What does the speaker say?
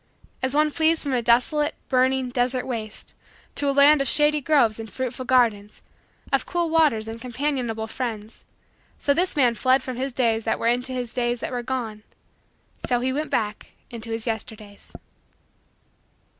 As one flees from a desolate, burning, desert waste, to a land of shady groves and fruitful gardens, of cool waters and companionable friends, so this man fled from his days that were into his days that were gone so he went back into his Yesterdays.